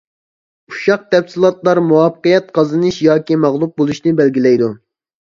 ئۇششاق تەپسىلاتلار مۇۋەپپەقىيەت قازىنىش ياكى مەغلۇپ بولۇشنى بەلگىلەيدۇ.